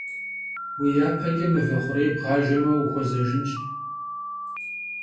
Vui yapeç'e mıve xhurêy bğajjeme vuxuezejjınş.